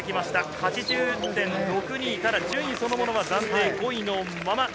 ８０．６２から順位そのものは暫定５位のまま。